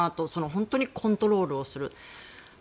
本当にコントロールをする。